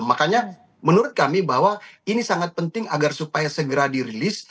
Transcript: makanya menurut kami bahwa ini sangat penting agar supaya segera dirilis